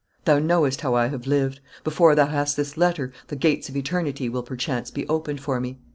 Thou knowest how I have lived. Before thou hast this letter, the gates of eternity will, perchance, be opened for me."